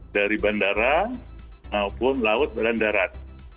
dari bandara maupun laut badan darat